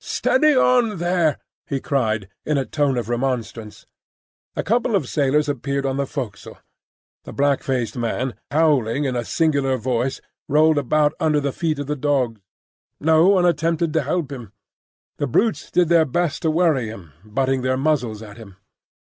"Steady on there!" he cried, in a tone of remonstrance. A couple of sailors appeared on the forecastle. The black faced man, howling in a singular voice rolled about under the feet of the dogs. No one attempted to help him. The brutes did their best to worry him, butting their muzzles at him.